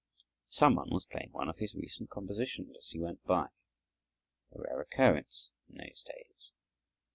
Some one was playing one of his recent compositions as he went by—a rare occurrence in those days.